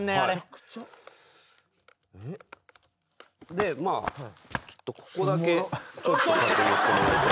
でまあちょっとここだけちょっと確認してもらっといて。